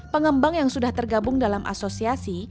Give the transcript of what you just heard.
pengembang yang sudah tergabung dalam asosiasi